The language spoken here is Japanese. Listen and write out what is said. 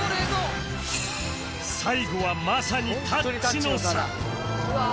最後はまさにタッチの差